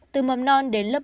từ mầm non đến lớp một mươi hai